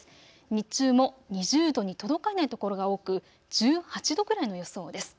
日中も２０度に届かない所が多く１８度くらいの予想です。